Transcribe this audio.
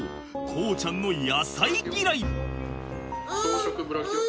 航ちゃんの野菜嫌い。